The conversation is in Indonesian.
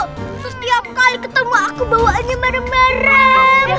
terus tiap kali ketemu aku bawaannya marah marah